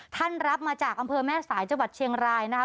รับมาจากอำเภอแม่สายจังหวัดเชียงรายนะคะ